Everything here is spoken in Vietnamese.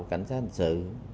cảnh sát hành sự